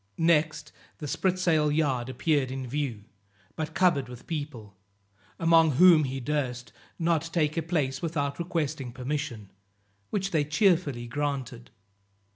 Next the spritsail yard appeared in view, but covered with people, among whom he durst not take a place without requesting permission, which they cheerfully granted.